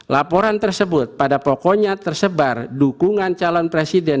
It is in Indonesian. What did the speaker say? laporan tersebut pada pokoknya tersebar dukungan calon presiden